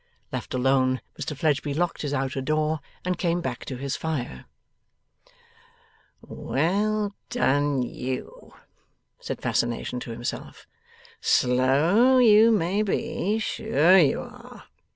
Left alone, Mr Fledgeby locked his outer door, and came back to his fire. 'Well done you!' said Fascination to himself. 'Slow, you may be; sure, you are!